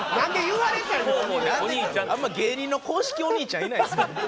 あんま芸人の公式お兄ちゃんいないですよ。